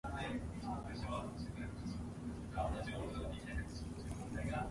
Other equipment is used infrequently.